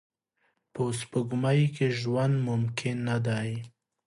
په سپوږمۍ کې ژوند ممکن نه دی